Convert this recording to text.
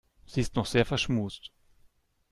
Sie ist noch sehr verschmust.